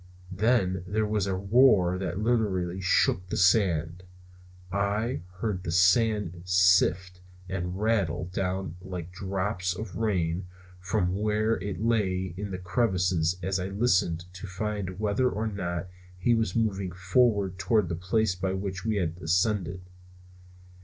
Then there was a roar that literally shook the sand. I heard the sand sift and rattle down like drops of rain from where it lay in the crevices as I listened to find whether or not he was moving forward toward the place by which we had ascended.